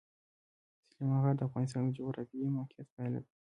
سلیمان غر د افغانستان د جغرافیایي موقیعت پایله ده.